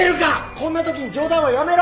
こんなときに冗談はやめろ！